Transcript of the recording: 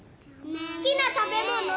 ・すきなたべもの！